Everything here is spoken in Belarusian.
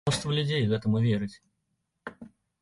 Мноства людзей гэтаму верыць.